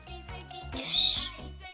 よし。